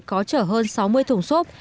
có chở hơn sáu mươi thùng xốp